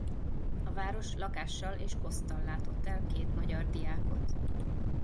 A város lakással és koszttal látott el két magyar diákot.